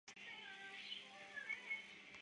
东非蜂的授粉效果也比欧洲蜂差。